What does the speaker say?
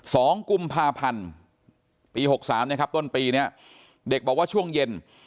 สองกุมภาพันธ์ปี๖๓ต้นปีเนี่ยเด็กบอกว่าช่วงเย็น